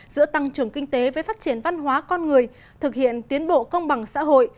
giữa tăng trưởng kinh tế với phát triển văn hóa con người thực hiện tiến bộ công bằng xã hội